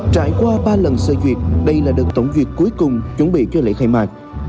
trải qua ba lần sơ duyệt đây là đợt tổng duyệt cuối cùng chuẩn bị cho lễ khai mạc